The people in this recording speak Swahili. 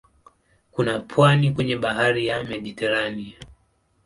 Kuna pwani kwenye bahari ya Mediteranea.